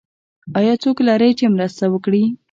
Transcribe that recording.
ایا څوک لرئ چې مرسته وکړي؟